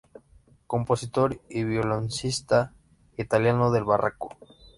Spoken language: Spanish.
Compositor y violonchelista italiano del Barroco.